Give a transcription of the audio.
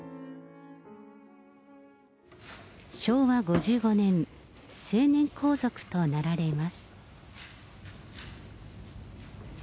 昭和５５年、成年皇族となられます。